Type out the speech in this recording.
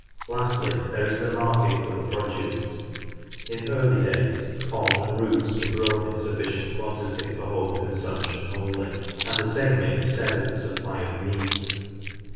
Lastly, there is the market for the produce. In early days corn and roots were grown in sufficient quantity for home consumption only, and the same may be said of the supply of meat.